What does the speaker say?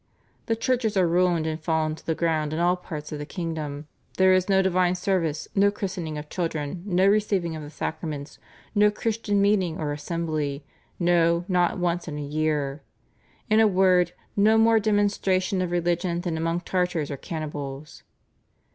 ... The churches are ruined and fallen to the ground in all parts of the kingdom. There is no divine service, no christening of children, no receiving of the sacraments, no Christian meeting or assembly, no, not once in a year; in a word, no more demonstration of religion than among Tartars or cannibals."